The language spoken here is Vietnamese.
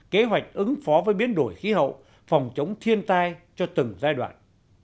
kế hoạch ứng phó với biến đổi khí hậu phòng chống thiên tai cho từng giai đoạn